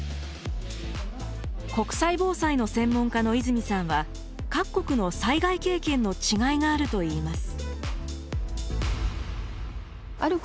国際防災の専門家の泉さんは各国の災害経験の違いがあると言います。